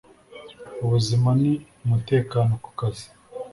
Ubuzima n umutekano ku kazi